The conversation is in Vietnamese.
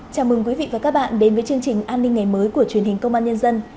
chào mừng quý vị và các bạn đến với chương trình an ninh ngày mới của truyền hình công an nhân dân